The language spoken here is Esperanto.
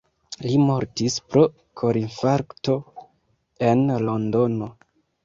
Li mortis pro korinfarkto en Londono.